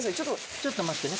ちょっと待ってね